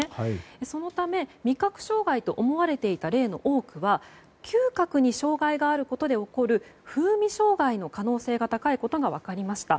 そのため、味覚障害と思われていた例の多くは嗅覚に障害があることで起こる風味障害の可能性が高いことが分かりました。